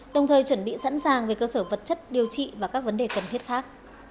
đồng thời chuẩn bị sẵn sàng về cơ sở vật chất điều trị và các vấn đề cần thiết khác